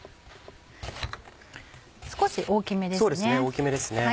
少し大きめですね。